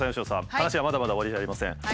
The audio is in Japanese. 話はまだまだ終わりじゃありません。